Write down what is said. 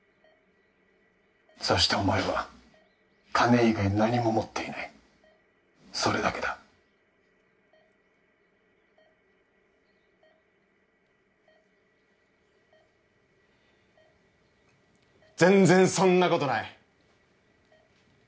そしてお前は金以外何も持っていないそれだけだ全然そんなことない